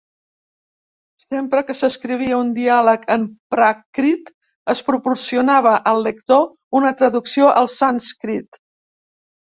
Sempre que s'escrivia un diàleg en pràcrit, es proporcionava al lector una traducció al sànscrit.